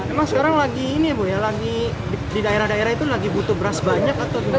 emang sekarang lagi di daerah daerah itu lagi butuh beras banyak atau gimana